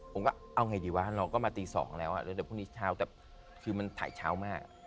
ผมก็เอาไงดีวะเราก็มาตี๒แล้วแล้วเดี๋ยวพรุ่งนี้เช้าแต่คือมันถ่ายเช้ามาก